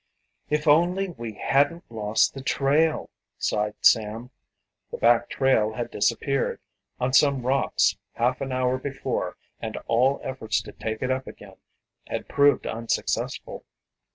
"If only we hadn't lost the trail," sighed Sam. The back trail had disappeared, on some rocks half an hour before and all efforts to take it up again had proved unsuccessful.